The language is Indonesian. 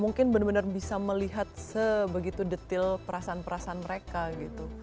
mungkin benar benar bisa melihat sebegitu detail perasaan perasaan mereka gitu